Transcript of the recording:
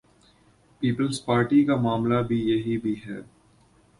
Peoples Party کا معاملہ بھی یہی بھی ہے۔